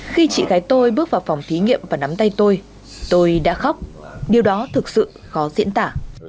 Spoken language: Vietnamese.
khi chị gái tôi bước vào phòng thí nghiệm và nắm tay tôi tôi đã khóc điều đó thực sự khó diễn tả